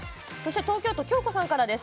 東京都の方です。